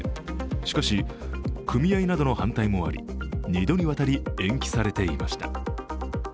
しかし、組合などの反対もあり、２度にわたり延期されていました。